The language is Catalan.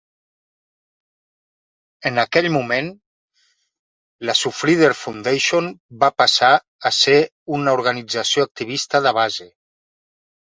En aquell moment, la Surfrider Foundation va passar a ser una organització activista de base.